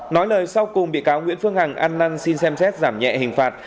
nói lời sau cùng bị cáo nguyễn phương hằng ăn năn xin xem xét giảm nhẹ hình phạt